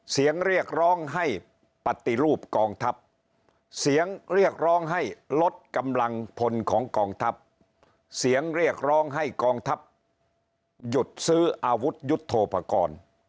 เสียงเรียกร้องให้ปฏิรูปกองทัพเสียงเรียกร้องให้ลดกำลังพลของกองทัพเสียงเรียกร้องให้กองทัพหยุดซื้ออาวุธยุทธโทปกรณ์